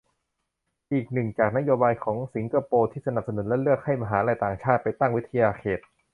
อีกหนึ่ง จากนโยบายของสิงคโปร์ที่สนับสนุน และเลือก ให้มหาลัยต่างชาติไปตั้งวิทยาเขต